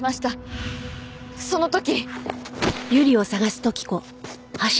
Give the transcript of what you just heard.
その時。